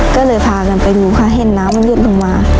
ก็เลยพากันไปดูค่ะเห็นน้ำมันหลุดลงมา